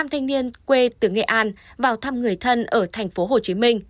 năm thanh niên quê từ nghệ an vào thăm người thân ở tp hcm